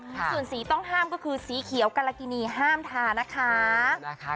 ส่วนสีต้องห้ามก็คือสีเขียวกรกินีห้ามทานะคะ